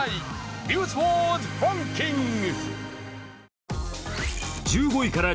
「ニュースワードランキング」。